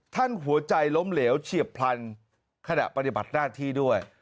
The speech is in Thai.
หัวใจล้มเหลวเฉียบพลันขณะปฏิบัติหน้าที่ด้วย